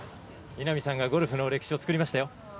稲見さんがゴルフの歴史を作りましたよ。